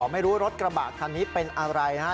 ไม่รู้รถกระบะคันนี้เป็นอะไรนะฮะ